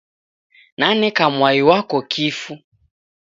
Naneka mwai wako kifu.